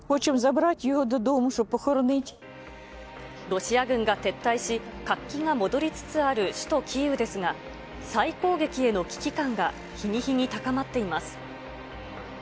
ロシア軍が撤退し、活気が戻りつつある首都キーウですが、再攻撃への危機感が日に日に高まっています。